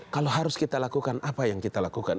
kalau harus kita lakukan apa yang kita lakukan